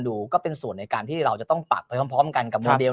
ก็เป็นส่วนในการที่เราจะต้องปรับไปพร้อมกันกับโมเดล